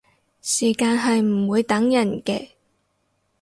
時間係唔會等人嘅